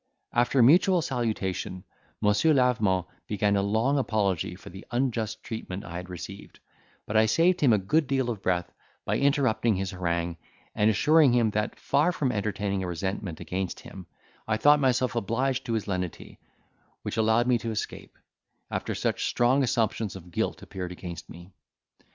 After mutual salutation, Monsieur Lavement began a long apology for the unjust treatment I had received; but I saved him a good deal of breath by interrupting his harangue, and assuring him that, far from entertaining a resentment against him, I thought myself obliged to his lenity, which allowed me to escape, after such strong assumptions of guilt appeared against me.